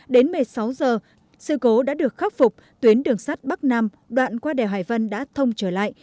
đến một mươi sáu giờ sự cố đã được khắc phục tuyến đường sắt bắc nam đoạn qua đèo hải vân đã thông trở lại